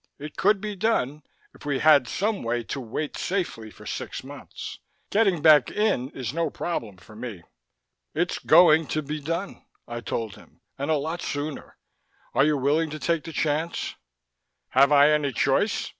"It could be done, if we had some way to wait safely for six months. Getting back in is no problem for me." "It's going to be done," I told him. "And a lot sooner. Are you willing to take the chance?" "Have I any choice?"